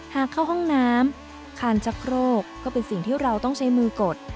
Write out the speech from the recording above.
หากเข้าห้องน้ำคานชักโครกก็เป็นสิ่งที่เราต้องใช้มือกด